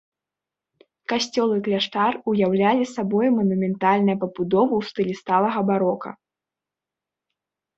Касцёл і кляштар уяўлялі сабою манументальныя пабудовы ў стылі сталага барока.